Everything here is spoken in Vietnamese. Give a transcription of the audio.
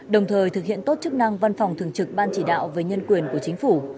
đồng thời thực hiện tốt chức năng văn phòng thường trực ban chỉ đạo về nhân quyền của chính phủ